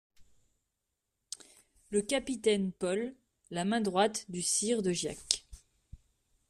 =Le Capitaine Paul= (La main droite du Sire de Giac).